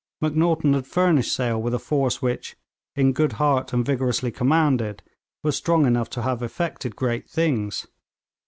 Macnaghten had furnished Sale with a force which, in good heart and vigorously commanded, was strong enough to have effected great things.